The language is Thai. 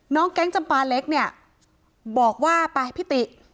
น้องแก๊งจำปลาเล็กเนี่ยบอกว่าไปให้พิติ